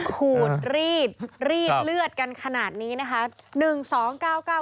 ขูดรีดรีดเลือดกันขนาดนี้นะคะ